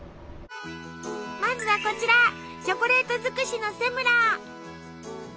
まずはこちらチョコレート尽くしのセムラ。